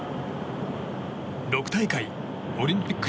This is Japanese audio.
６大会オリンピック